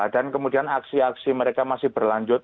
dan kemudian aksi aksi mereka masih berlanjut